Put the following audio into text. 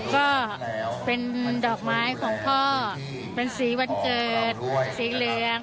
ก็เป็นดอกไม้ของพ่อเป็นสีวันเกิดสีเหลือง